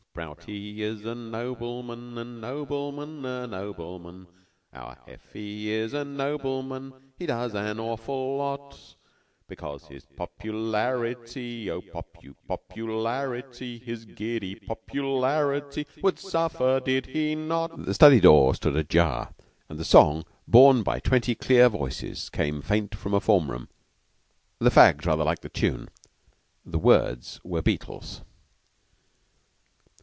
Oh, Prout he is a nobleman, a nobleman, a nobleman! Our Heffy is a nobleman He does an awful lot, Because his popularity Oh, pop u pop u larity His giddy popularity Would suffer did he not! The study door stood ajar; and the song, borne by twenty clear voices, came faint from a form room. The fags rather liked the tune; the words were Beetle's.